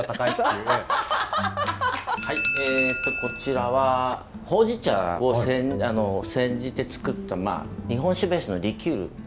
えっとこちらはほうじ茶を煎じて作った日本酒ベースのリキュール。